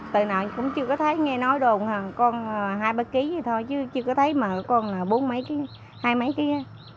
từ nãy cũng chưa có thấy nghe nói đồn con hai ba kg thôi chứ chưa có thấy con bốn hai kg